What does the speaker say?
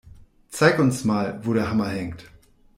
Zeig uns mal, wo der Hammer hängt!